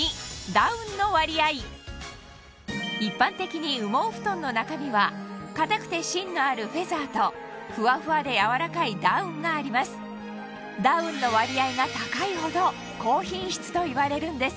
一般的に羽毛布団の中身は硬くて芯のあるフェザーとフワフワで柔らかいダウンがありますといわれるんです